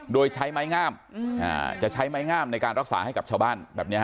โดยใช้ไม้งามจะใช้ไม้งามในการรักษาให้กับชาวบ้านแบบนี้